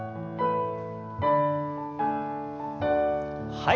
はい。